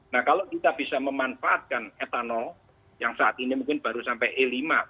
nah kalau kita bisa memanfaatkan etanol yang saat ini mungkin baru sampai e lima